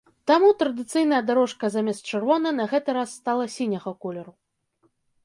Таму традыцыйная дарожка замест чырвонай на гэты раз стала сіняга колеру.